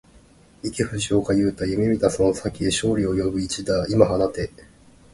行け藤岡裕大、夢見たその先へ、勝利を呼ぶ一打、今放て